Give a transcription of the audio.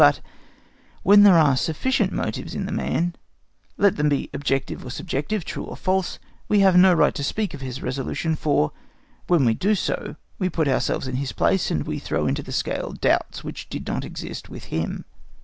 But, when there are sufficient motives in the man, let them be objective or subjective, true or false, we have no right to speak of his resolution; for, when we do so, we put ourselves in his place, and we throw into the scale doubts which did not exist with him.